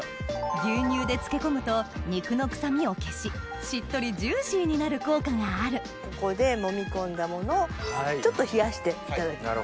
牛乳で漬け込むと肉の臭みを消ししっとりジューシーになる効果があるここでもみ込んだものをちょっと冷やしていただきます。